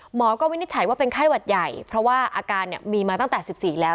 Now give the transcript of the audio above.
หมอก็วินิจฉัยว่าเป็นไข้หวัดใหญ่เพราะว่าอาการมีมาตั้งแต่๑๔แล้ว